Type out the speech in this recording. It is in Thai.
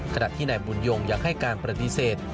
ขณะที่นายบุญโยงอยากให้การประดิษฐ์